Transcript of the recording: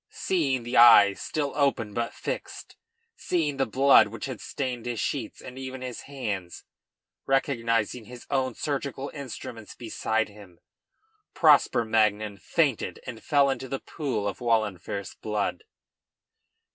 Seeing the eyes still open but fixed, seeing the blood which had stained his sheets and even his hands, recognizing his own surgical instrument beside him, Prosper Magnan fainted and fell into the pool of Wahlenfer's blood.